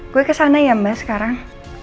gue kesana ya mbak sekarang